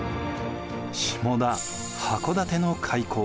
下田・箱館の開港